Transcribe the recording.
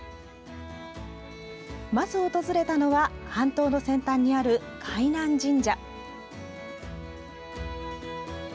まず訪れたのは半島の先端にある海南神社。